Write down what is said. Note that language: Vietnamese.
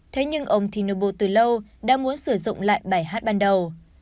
thế nhưng ông thinubbo từ lâu đã muốn sử dụng lại bài hát ban đầu